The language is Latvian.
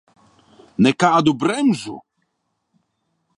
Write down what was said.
Nekādu bremžu.